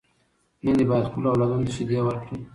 میندې باید خپلو اولادونو ته شیدې ورکړي.